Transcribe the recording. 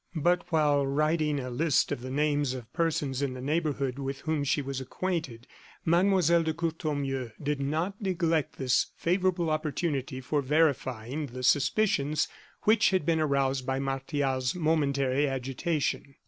But, while writing a list of the names of persons in the neighborhood with whom she was acquainted, Mlle. de Courtornieu did not neglect this favorable opportunity for verifying the suspicions which had been aroused by Martial's momentary agitation.